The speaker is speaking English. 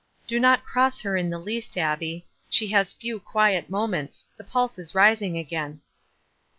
"Do not cross her in the least, Abbie. She has few quiet moments ; the pulse is rising again."